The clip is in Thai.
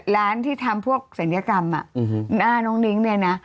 ร้านที่ทำพวกศัลยกรรมหน้าน้องนิ้งเนี่ยนะ